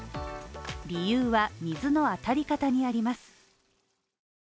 理由は水の当たり方にあります。